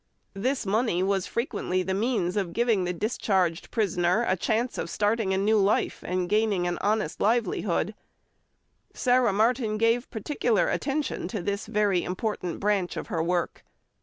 This money was frequently the means of giving the discharged prisoner a chance of starting a new life and gaining an honest livelihood. Sarah Martin gave particular attention to this very important branch of her work.